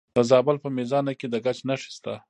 د زابل په میزانه کې د ګچ نښې شته.